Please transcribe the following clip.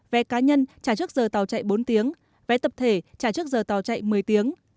vé cá nhân trả trước giờ tàu chạy bốn tiếng vé tập thể trả trước giờ tàu chạy một mươi tiếng